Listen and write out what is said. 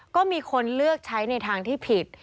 ก็มีคนเลือกใช้ในทางที่ผิด